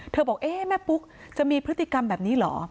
บอกเอ๊ะแม่ปุ๊กจะมีพฤติกรรมแบบนี้เหรอ